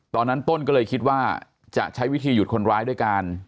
ต้นก็เลยคิดว่าจะใช้วิธีหยุดคนร้ายด้วยการ